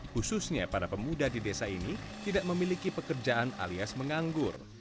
khususnya para pemuda di desa ini tidak memiliki pekerjaan alias menganggur